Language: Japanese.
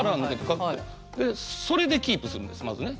それでキープするんですまずね。